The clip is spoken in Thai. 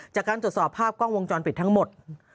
จากการตรวจสอบภาพกล้องวงจรปิดทั้งหมด